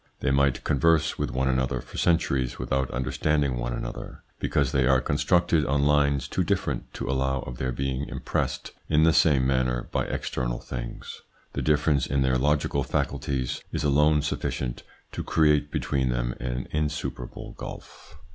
They might converse with one another for centuries without understanding one another, because they are con structed on lines too different to allow of their being impressed in the same manner by external things. The difference in their logical faculties is alone sufficient to create between them an insuperable gulf.